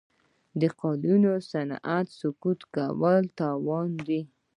د قالینو صنعت سقوط کول تاوان دی.